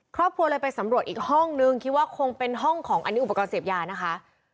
ครอบครัวเลยไปสำรวจอีกห้องนึงคิดว่าคงเป็นห้องของอันนี้อุปกรณ์เสพยานะคะ